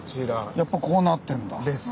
やっぱこうなってんだ。です。